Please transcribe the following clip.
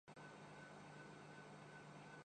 مومل کو Bollywood film میں کردار کیسے ملا